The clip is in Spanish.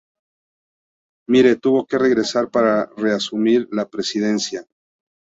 Mitre tuvo que regresar para reasumir la presidencia.